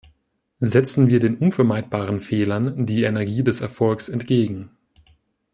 Setzen wir den unvermeidbaren Fehlern die Energie des Erfolgs entgegen.